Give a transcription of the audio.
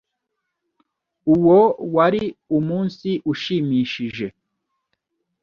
Uwo wari umunsi ushimishije.